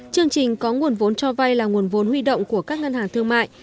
chương trình có nguồn vốn cho vay là nguồn vốn huy động của các ngân hàng thương mại